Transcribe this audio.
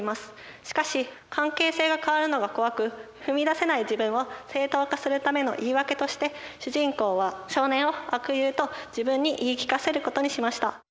しかし関係性が変わるのが怖く踏み出せない自分を正当化するための言い訳として主人公は少年を「悪友」と自分に言い聞かせることにしました。